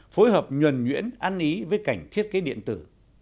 phối hợp nhuẩn nhuyễn ăn ý với cảnh thiết kế điện tử